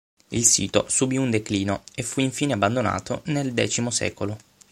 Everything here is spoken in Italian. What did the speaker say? Il sito subì un declino e fu infine abbandonato nel X secolo.